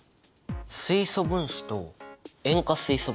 水素分子と塩化水素分子？